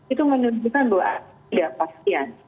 itu menunjukkan bahwa ketidakpastian